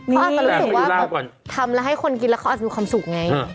นี่ฝาตอนรู้สึกว่าทำแล้วให้คนกินเขาอาจจะมีความสุขไง